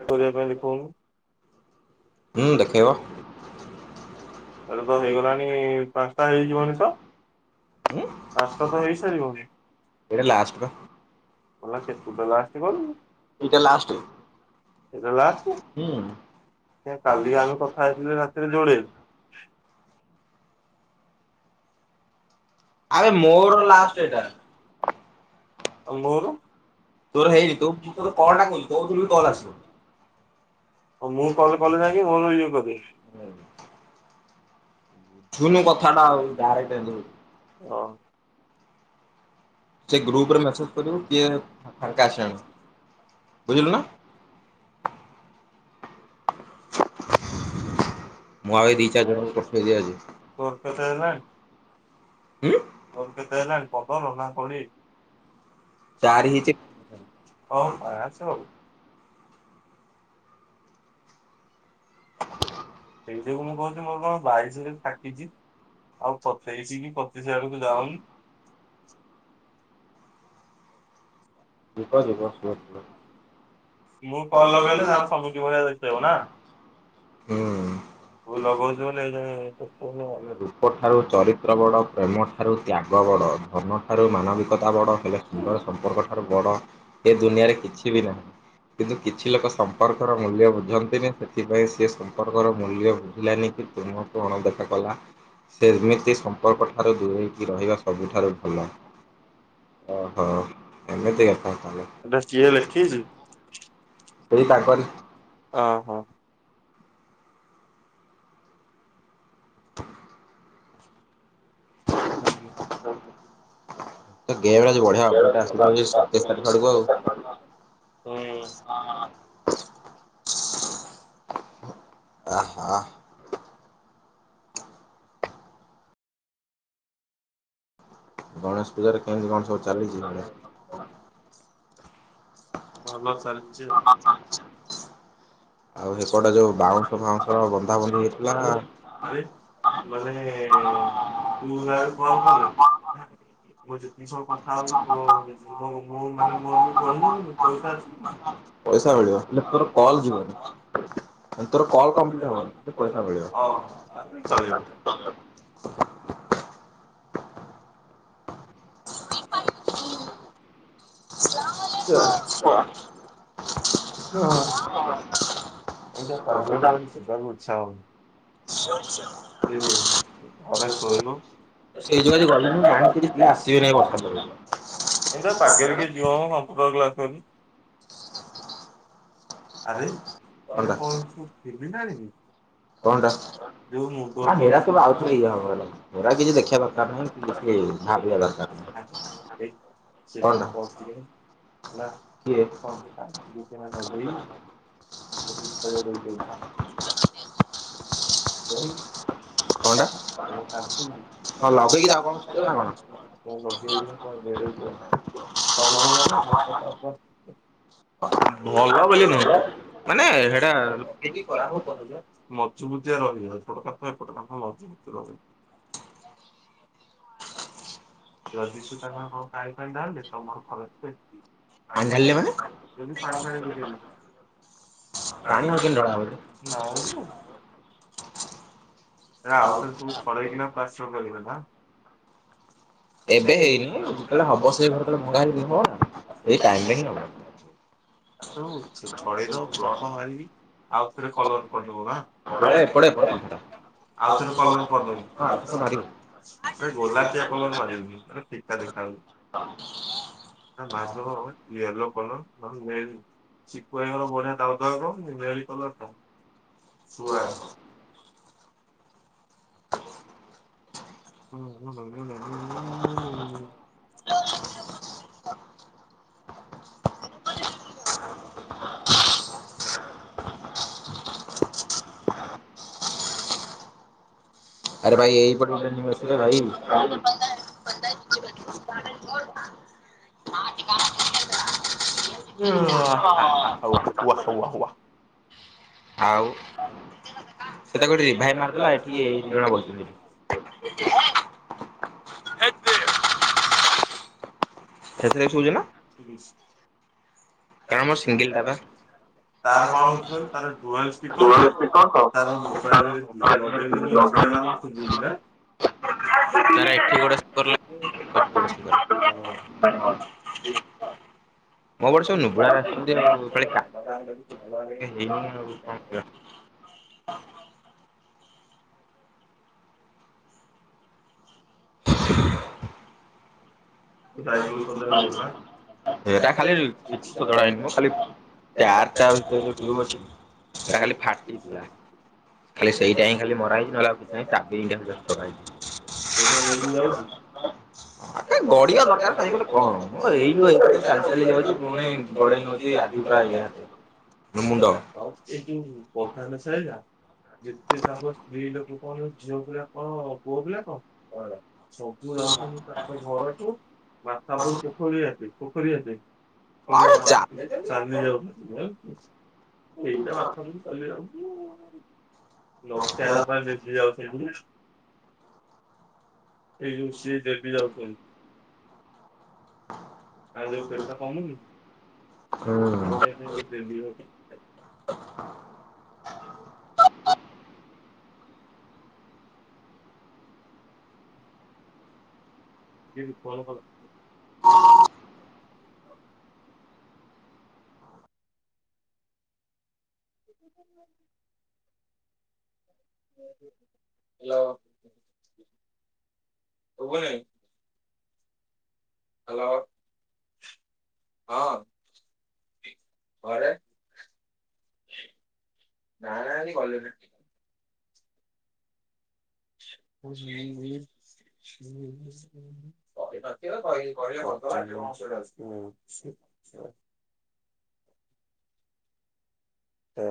କରିଆ ପାଇଁ ଦେଖଉନୁ। ଏବେ ତ ହେଇଗଲାଣି ପାଞ୍ଚଟା ହେଇଯିବଣି ତ? ପାଞ୍ଚଟା ତ ହେଇସାରିବଣି। ଗଲା କେତୁଟା ଲାଷ୍ଟ କରିବୁ। ଏଇଟା ଲାଷ୍ଟେ। କାଲି ଆମେ କଥା ହେଇଥିଲୁ ରାତିରେ ଯୋଡେ ଆରେ ମୋର ଲାଷ୍ଟ ଏଟା। ତୋର ହେଇନି [unintelligible] କଣଟା କହୁଛି [unintelligible] କଲ ଆସିବନି। ଓ ମୁଁ କଲ କଲେ ଯାଇଁକି [unintelligible] ଅଁ। ସେ ଗ୍ରୁପରେ ମେସେଜ କରିବୁ କିଏ ଫରେ ଆସଣି ବୁଝିଲୁ ନା? ତୋର ଖେ ହେଲ ତୋର ଖେତ ହେଲ ପଟଲ ନା କେଓ ଡି ଏ [inaudible] ଚାରି ହଁ ପା ସ ହଉ। ସେଇ ଯୋଗୁ ମୁଁ କହୁଛି ମୋର କଣ ବାଇଶରେ ଫତିଚିାକିଛି ଆଉ ସଥେଇଶ କି? ସେ ସେ ଆଡକୁ ଯାଉନ। ଦେବ ଦେବ ରୁହ ରୁହ। ମୁଁ କଲ ଲଗେଇ ସାଙ୍ଗା ସମମୁଖି ଭଳିଆ ଦେଖିବନା ସୁ ଲଗାଉଉଛି ବୋଲି। ରୂପ ଠାରୁ ଚରିତ୍ର ବଡ଼ ପ୍ରେମ ଠାରୁ ତ୍ୟାଗ ବଡ଼ ଧନ ଠାରୁ ମାନବିକତା ବଡ଼ ହେଲେ ସୁନ୍ଦର ସମ୍ପର୍କ ଠାରୁ। ବଡ଼ ଏ ଦୁନିଆରେ କିଛି ବି ନାହିଁ କିନ୍ତୁ କିଛି ଲୋକ ସମ୍ପର୍କର ମୂଲ୍ୟ ବୁଝନ୍ତିନି ସେଥିପାଇଁ ସେ ସମ୍ପର୍କର ମୂଲ୍ୟ ବୁଝିଲାନି କି ତୁମକୁ ଅଣଦେଖା। କଲା ସେମିତି ସମ୍ପର୍କ ଠାରୁ ଦୂରେଇକି ରହିବା ସବୁଠାରୁ ଭଲ ଓହୋ। [unintelligible] ତାଙ୍କରି। [inaudible] ହ ଗେମ ଗୁଡା [unintelligible] [inaudible] ଆ ହା। ଗଣେଶ ପୂଜାରେ କେମିତି କଣ ସବୁ ଚାଲିଛି ଆ [inaudible] ଆମେ ମାନେ ତୁମ ଆ କଲ କଲେ। ମଝେ [inaudible] ଏ ସବୁ କଥା ହଉଛି ମାନେ ମୋର ବି ପଢ ପଇସା ଅଛିଇ [inaudible] ତ କଲ କମ୍ପ୍ଲିଟ ହେ ମାନ ପଇସା ମିଳିିବନି। ହୁଁ। [inaudible] ହ ଏ ପାୁଛ ଘର ଉଛା ସୂର୍ଯ୍ୟ [inaudible] ଶୋଇୁାଣି ଆସିବ ଏ ପାଖରେ କିଏ ଯିବ ହଁ। ଆରେ ଏ କୁ ଫିବ ନାି ଯ ମୁ ପ ହେଲା ନଗେଇବି [inaudible] ଇଚଛା କ ଲଗେଇି ଆପଣଙ୍କ ସା ଲଗେଇଇ ତମର ମାନେ ଖରା ହ ମଛୁ ରହ ଛୋଟ କଥାୋଟ କଥା ମବତି ରହି। ଯଦି ସୁ ତାଙ୍କ ହଉ କାଇ ପାଇଁ ଯାଲେ ତମର ଖରଚି ଆ ଯ ବି ପାଣି ଫଥା ଆଉଥର ସବୁ ଛଳେଇକି ପାଶ ଟ କରହିବ ନା। ଏବେ ହେଇାଇବ କଣ ଛେଇଦ ବ ହିବି। ଆଉ ଥରେ, କଲର କ ହ ଏ ପଡ ପ ଆଉ ଥରେ, କଲର କରିଦବୁ ୲ ଭାଇ, ଗୋଲାପିଆ କଲର ମାରି ବୁନି, ଫିକା ଦେଖା ଯାଉଛି, ପୁରା ମାରିଦେବ ଏଲୋ, କଲର ନ ଶିକୁ ଭାଇ, ଙ୍କର ବଢିଆ ଦାଉ, ଦାଉ ହବ ୲ ମଲି କଲର କ ସୁମାରକମ୍ ହୁଁ- ହ ହ ଆରେ ଭାଇ ଏଇପଟ ବ ଭାଇ ପ ହ ଆଉ ସେ ତ ଗୋଠି ଭାଇ ମାରିଦେଥିଲା ଏଠି ତିନି ଜଣ ବହୁଛନ୍ତି ଏଠି ଠ [unintelligible] କଣ ମୋର ସିଙ୍ଗଠ [unintelligible] ହ କସନୁ [unintelligible] ବନ୍ଦ କଳି [unintelligible] କ [unintelligible] ଶ ଟା ଖାାଇନ ମୁ ଖାାର ସେଟା ଫାଟିଥିଲା ଖା ସେଇଟା ମ ହେଇ ନହାଇ ବଢିଆ କଣ, ଏଇଠୁ ଏତିକି ଚାଲି, ଚାଲି ଯାଉଛି ୲ପୁଣି ଗଡେଇ ନଉଛି୲ ଆଜି ପୁରା ନିହାତି, ମୁଣ୍ଡ ବଧାନ ସାରିଲା, ଯେତେ ତାଙ୍କ ସ୍ତ୍ରୀ ଲୋକ, କଣ ଝିଅ ପିଲା, କଣ ପୁଅ ପିଲା, କଣ? ସପିୁ ଯାଉଛିି ତାପ ଘର ଭତାବରଣ କେ ଖଳି ଯେ ପୋଖରୀ, ଏତେ? ହଁ [unintelligible] ମ ଏଇଟା ବାଥରୁମ୍, ଚାଲି ଯା ନୋକତ ହେଲା ପାଇଁ ବଜଳି ଯାଉଛି [unintelligible] ଏଇ ଯୋଉ ସିଏ ଦେବି ଯାଉଛନ୍ତି ଆ ଯ ପେଟ କମୁନି ଆ [unintelligible] ସେ [unintelligible] ହ [unintelligible] ହ୍ୟାଲୋ ରଗୁନି ହ୍ୟାଲୋ ହଁ ଘରେ ନା ନା ଆଜି ଗଲିନି [unintelligible] ତ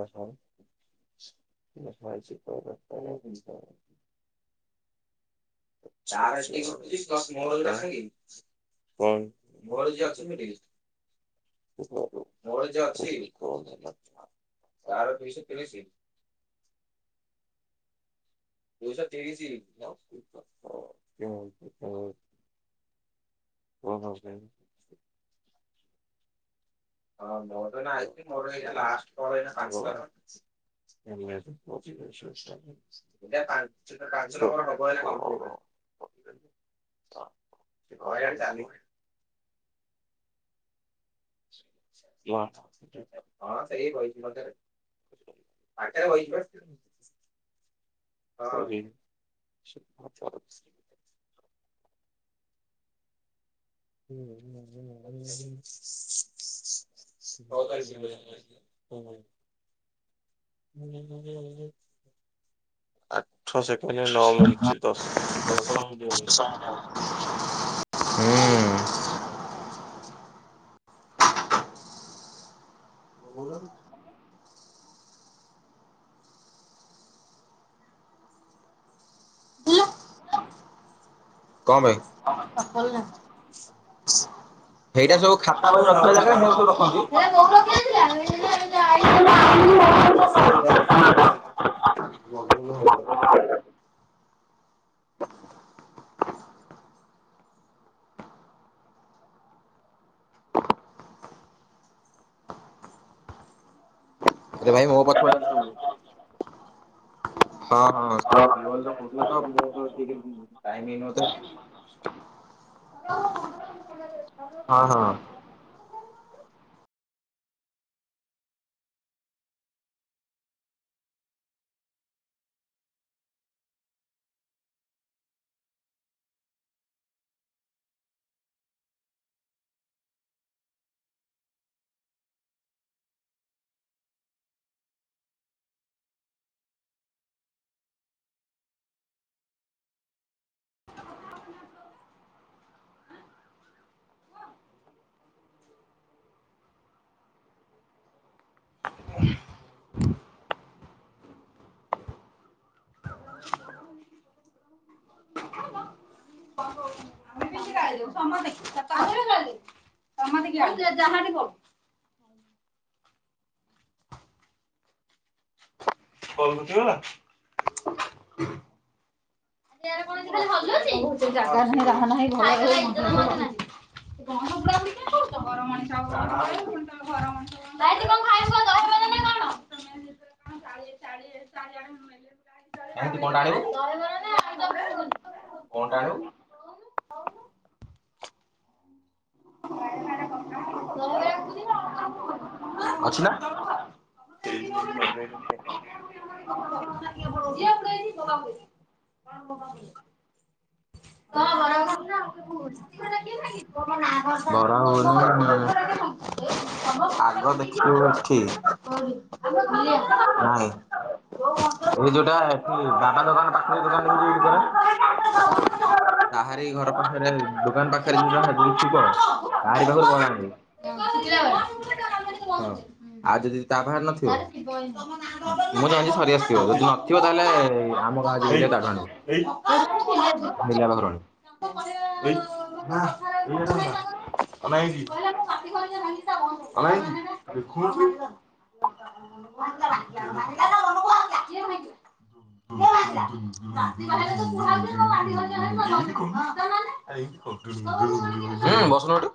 ହଖଛି ପରବର୍ତ୍ତନ ମୋ ମୋ ଯ ଅଛି ମି ମୋ ଅଛି ତାର ଦୁଇଶ ଦୁଇ ଶହ ତିରିଶି ହୁଁ ହଁ ନଅ ଜଣ ଆଇଛି ମୋର ଏ ଲାଷ୍ଟଇ ପାଞ୍ଚ ପାଞ୍ଚବ କ ଚା ହଁଇ ହଁ ସେ ହିଁ ବଇଚି ମଜାରେ ପାଖରେ ବଇଚି ପା ହ ଆଛ ସେ କହିଲେ ନଅ ମିିନିଟ ଦଶ ଦଶ ମିନିଟ ବଇବ। ହୁଁ। ବୁ। ଏହା। [unintelligible] ଆରେ ଭାଇ ମୋ ପଛ ପଛ। [unintelligible] ହଁ ହଁ ସେ ଜୀବନ ତ ମୁ [unintelligible] ଟାଇମ ହି ନଥିବ। [unintelligible] ହଁ ହଉ। ଯା ଯାହା ରେ ହଉ। କଲ କରୁଥିଲ ହେଲା। [unintelligible] କଣ ଟା ଆଉ। ଅଛି ପା। ସେଇଠି ନେଇକି ନଗେଇ। [unintelligible] କଣ। [unintelligible] ବରା ହଉ [unintelligible] ଆଗ ଦେଖିବ ଏଠି ନାଇଁ ଏଇ ଯୋଉଟା ଏଠି ବାବା ଦୋକାନ ପାଖରେ ଦୋକାନ। [unintelligible] ତାହାରି ଘର ପାଖରେ ଦୋକାନ ପାଖରେ [unintelligible] ଯିବୁଛି କଣ। ତାରି ପାଖରୁ ବରା ଆଣିବୁ ହଁ ଆଉ ଯଦି। [unintelligible] ତା ପାଖରେ ନଥିବ। ମୁଁ ଜାଣିଚି ସରିଆସିଥିବ। ଯଦି ନଥିବ ତାହେଲେ ଆମ ଗାଁ ଯିବ ଠାକୁରାଣୀ [unintelligible] ବିଲ୍ ପାଖରୁଣି। [unintelligible] ଅନା ହେଇକି। [unintelligible] କଣ ହେଇଚି? ଦେଖୁନୁ ତୁ। [unintelligible] ହୁଁ ବସୁନ ହେଟୁ।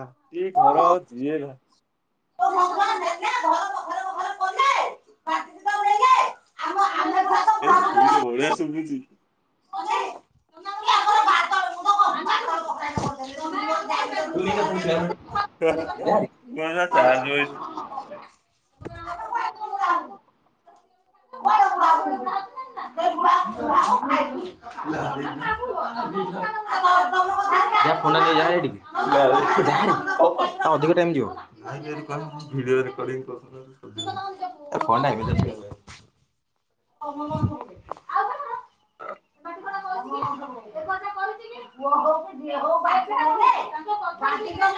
ମାଟି ଘର ଯିଏ ହେଲା। ଏଇ ଶୁଭିଚି ବଡ଼ିଆ ଶୁଭିଚି। [unintelligible] [unintelligible] [unintelligible]